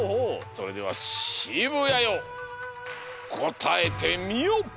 それでは渋谷よこたえてみよ！